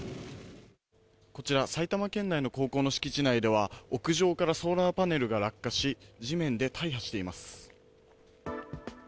こちら埼玉県内の高校の敷地内では屋上からソーラーパネルが落下し地面で大破しています。